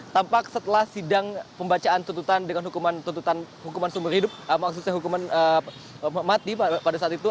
tampak setelah sidang pembacaan tuntutan dengan hukuman tuntutan hukuman sumber hidup maksudnya hukuman mati pada saat itu